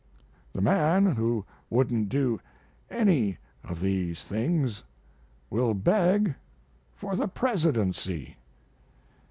The man who wouldn't do any of these things will beg for the Presidency.